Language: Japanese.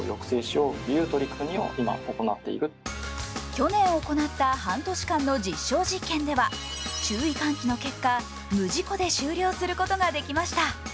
去年行った半年間の実証実験では注意喚起の結果、無事故で終了することができました。